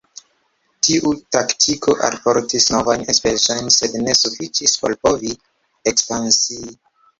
Tiu taktiko alportis novajn enspezojn, sed ne sufiĉis por povi ekspansii.